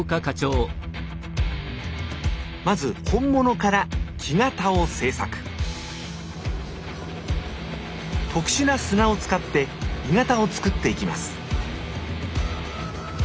まず本物から木型を製作特殊な砂を使って鋳型を作っていきます